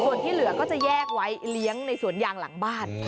ส่วนที่เหลือก็จะแยกไว้เลี้ยงในสวนยางหลังบ้าน